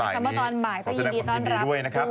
มาตอนบ่ายรับทราบที่ตื่นพลาด